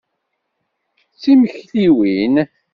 Timekliwin!